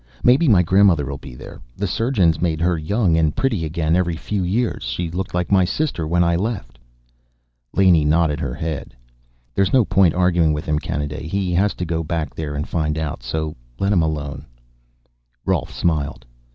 Maybe my grandmother'll be there. The surgeons made her young and pretty again every few years; she looked like my sister when I left." Laney nodded her head. "There's no point arguing with him, Kanaday. He has to go back there and find out, so let him alone." Rolf smiled.